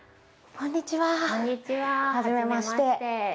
こんにちははじめまして。